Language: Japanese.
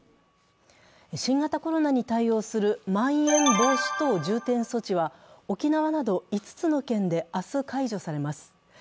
新型コロナに対応するまん延防止等重点措置は沖縄など５つの県で明日解除されます。